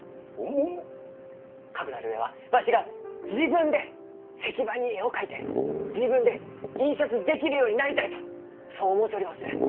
かくなる上はわしが自分で石版に絵を描いて自分で印刷できるようになりたいとそう思うちょります。